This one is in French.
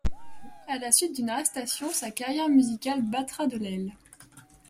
À la suite d'une arrestation, sa carrière musicale battra de l'aile.